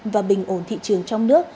và bình ổn thị trường trong nước